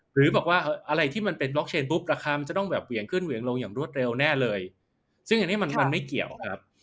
หรือบอกว่าอะไรที่มันเป็นบล็อกเชนปุ๊บราคามันจะต้องแบบเหวี่ยงขึ้นเหวี่ยงลงอย่างรวดเร็วแน่เลยซึ่งอันนี้มันมันไม่เกี่ยวครับ